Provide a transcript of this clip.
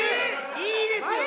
いいですよ！